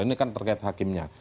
ini kan terkait hakimnya